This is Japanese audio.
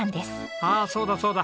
ああそうだそうだ。